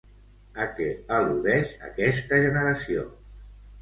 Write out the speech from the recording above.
A què al·ludeix aquesta generació?